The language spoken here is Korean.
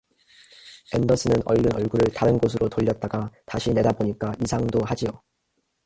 앤더슨은 얼른 얼굴을 다른 곳으로 돌렸다가 다시 내다보니까 이상도 하지요.